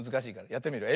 やってみるよ。